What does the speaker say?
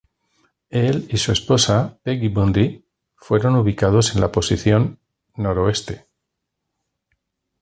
Él y su esposa, Peggy Bundy, fueron ubicados en la posición No.